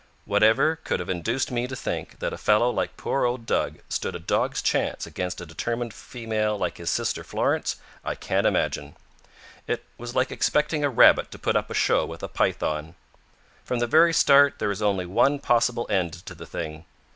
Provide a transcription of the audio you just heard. Whatever could have induced me to think that a fellow like poor old Dug stood a dog's chance against a determined female like his sister Florence, I can't imagine. It was like expecting a rabbit to put up a show with a python. From the very start there was only one possible end to the thing.